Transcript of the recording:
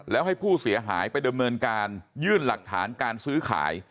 แล้วให้ผู้เสียหายไปดำเนินการยื่นหลักฐานการซื้อขาย